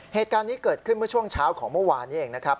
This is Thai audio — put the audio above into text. เหตุการณ์นี้เกิดขึ้นเมื่อช่วงเช้าของเมื่อวานนี้เองนะครับ